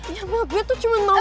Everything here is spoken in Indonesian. ya gue tuh cuma mau